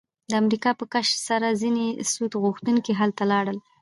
د امریکا په کشف سره ځینې سود غوښتونکي هلته لاړل